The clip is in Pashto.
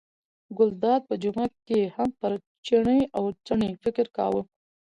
ګلداد په جمعه کې هم پر چیني او چڼي فکر کاوه.